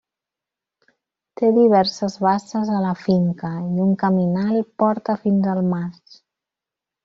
Té diverses basses a la finca, i un caminal porta fins al mas.